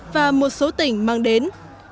và một số tỉnh mang đến